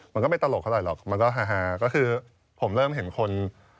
มันก็ไม่ตลกเท่าไหรหรอกมันก็ฮาก็คือผมเริ่มเห็นคน